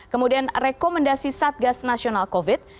kemudian rekomendasi satgas nasional covid